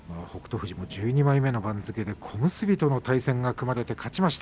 富士も１２枚目の番付で小結との対戦が組まれて勝ちました。